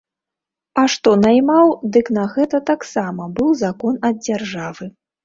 А што наймаў, дык на гэта таксама быў закон ад дзяржавы.